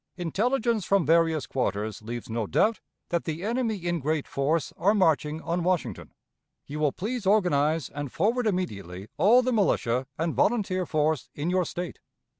_ "Intelligence from various quarters leaves no doubt that the enemy in great force are marching on Washington. You will please organize and forward immediately all the militia and volunteer force in your State.